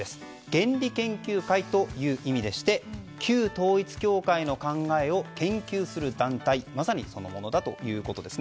原理研究会という意味でして旧統一教会の考えを研究する団体まさにそのものだということです。